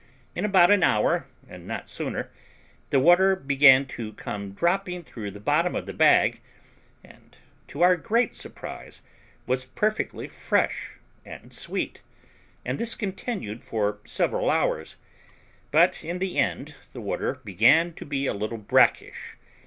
In about an hour, and not sooner, the water began to come dropping through the bottom of the bag, and, to our great surprise, was perfectly fresh and sweet, and this continued for several hours; but in the end the water began to be a little brackish.